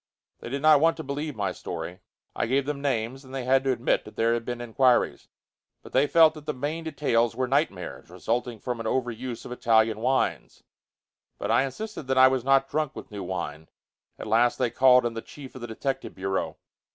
They did not want to believe my story. I gave them names, and they had to admit that there had been inquiries, but they felt that the main details were nightmares, resulting from an over use of Italian wines. But I insisted that I was not drunk with new wine. At last, they called in the chief of the detective bureau.